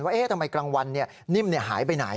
ว่าทำไมกลางวันนิ่มหายไปไหน